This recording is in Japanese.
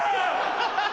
ハハハ！